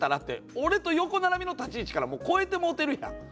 俺と横並びの立ち位置から超えてもうてるやん。